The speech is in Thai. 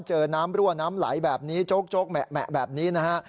เจอน้ำรั่วน้ำไหลแบบนี้โจ๊กแหมะแบบนี้นะฮะ